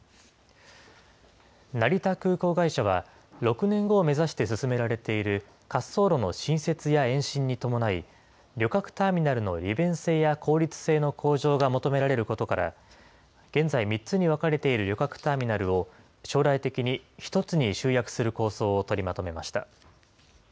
成田空港会社は、６年後を目指して進められている滑走路の新設や延伸に伴い、旅客ターミナルの利便性や効率性の向上が求められることから、現在３つに分かれている旅客ターミナルを将来的に１つに集約する構想を取りまとめました。